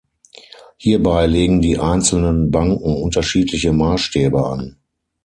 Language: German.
Hierbei legen die einzelnen Banken unterschiedliche Maßstäbe an.